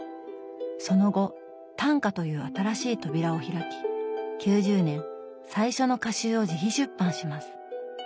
その後「短歌」という新しい扉を開き９０年最初の歌集を自費出版します。